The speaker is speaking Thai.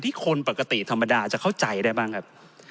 คนปกติธรรมดาจะเข้าใจได้บ้างครับ